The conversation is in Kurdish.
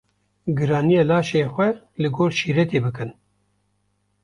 giraniya laşên xwe li gor şîretê bikin.